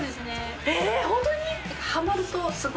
えっホントに？